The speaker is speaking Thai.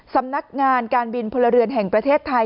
สำนักงานการบินพลเรือนแห่งประเทศไทย